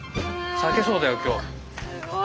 裂けそうだよ今日これ。